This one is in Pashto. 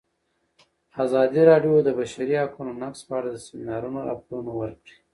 ازادي راډیو د د بشري حقونو نقض په اړه د سیمینارونو راپورونه ورکړي.